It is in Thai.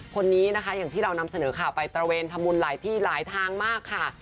คนนี้นะคะอย่างที่เรานำเสนอข่าวไปตระเวนทำบุญหลายที่หลายทางมากค่ะ